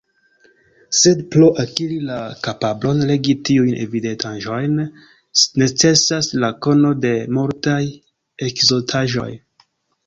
Sed por akiri la kapablon legi tiujn evidentaĵojn necesas la kono de multaj ekzotaĵoj.